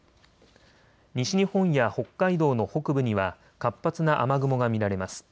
西日本や北海道の北部には活発な雨雲が見られます。